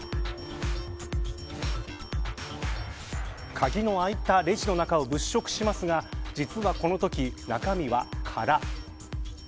鍵の開いたレジの中を物色しますが実はこのとき、中身は空。